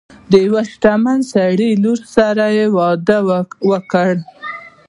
د یو شتمن سړي لور سره یې واده وکړ.